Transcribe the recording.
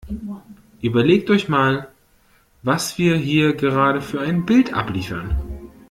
Überlegt euch mal, was wir hier gerade für ein Bild abliefern!